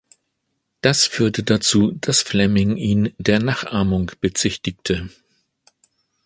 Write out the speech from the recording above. Das führte dazu, dass Fleming ihn der Nachahmung bezichtigte.